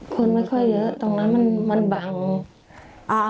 คนไม่ค่อยเยอะตรงนั้นมันบาง